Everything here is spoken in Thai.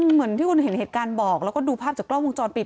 เหมือนที่คนเห็นเหตุการณ์บอกแล้วก็ดูภาพจากกล้องวงจรปิด